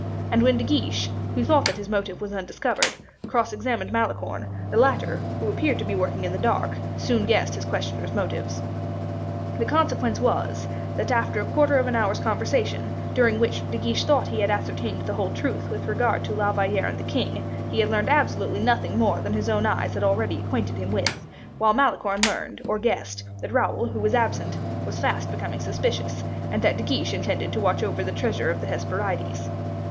And while De Guiche, who thought that his motive was undiscovered, cross examined Malicorne, the latter, who appeared to be working in the dark, soon guessed his questioner's motives. The consequence was, that, after a quarter of an hour's conversation, during which De Guiche thought he had ascertained the whole truth with regard to La Valliere and the king, he had learned absolutely nothing more than his own eyes had already acquainted him with, while Malicorne learned, or guessed, that Raoul, who was absent, was fast becoming suspicious, and that De Guiche intended to watch over the treasure of the Hesperides.